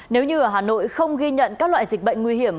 nếu như ở hà nội không ghi nhận các loại dịch bệnh nguy hiểm